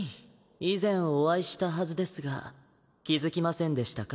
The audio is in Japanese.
以前お会いしたはずですが気付きませんでしたか？